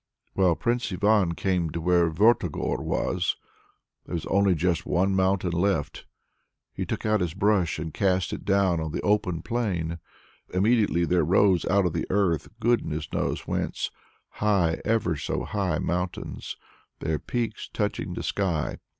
Well, Prince Ivan came to where Vertogor was. There was only just one mountain left! He took his brush and cast it down on the open plain. Immediately there rose out of the earth, goodness knows whence, high, ever so high mountains, their peaks touching the sky.